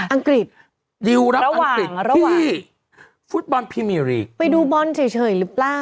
อังกฤษดิวระหว่างที่ฟุตบอลพรีเมียลีกไปดูบอลเฉยหรือเปล่า